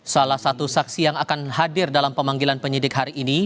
salah satu saksi yang akan hadir dalam pemanggilan penyidik hari ini